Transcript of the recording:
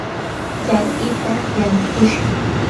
charkita yanukushun.